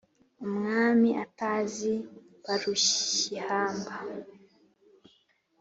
umwami atazi barushyihamba